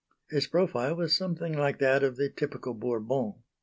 His profile was something like that of the typical Bourbon.